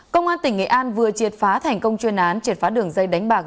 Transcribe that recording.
công an tỉnh nghệ an vừa triệt phá thành công chuyên án triệt phá đường dây đánh bạc